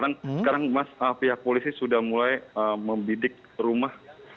sekarang pihak polisi sudah mulai membidik rumah